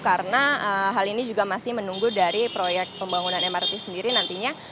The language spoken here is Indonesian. karena hal ini juga masih menunggu dari proyek pembangunan mrt sendiri nantinya